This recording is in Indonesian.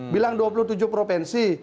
bilang dua puluh tujuh provinsi